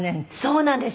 そうなんです。